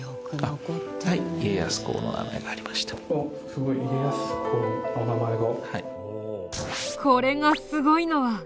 すごい家康公の名前が。